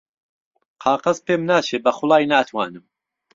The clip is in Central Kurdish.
قاقەز پێم ناچێ بە خوڵای ناتوانم